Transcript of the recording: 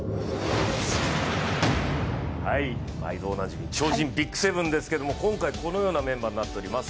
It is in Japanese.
毎度おなじみ超人ＢＩＧ７ですけれども、今回、このようなメンバーになっております。